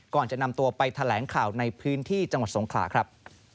ก่อนจะนำตัวไปแถลงข่าวในพื้นที่จังหวัดสงขลาครับ